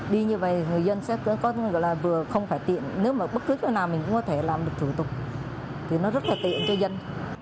đi như vậy người dân sẽ vừa không phải tiện nếu mà bất cứ chỗ nào mình cũng có thể làm được thủ tục thì nó rất là tiện cho dân